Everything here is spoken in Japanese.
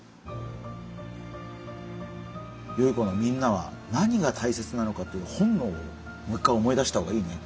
よい子のみんなは何が大切なのかっていう本能をもう一回思い出した方がいいね。